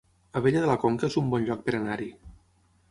Abella de la Conca es un bon lloc per anar-hi